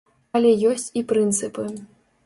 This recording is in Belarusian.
Але ёсць і прынцыпы.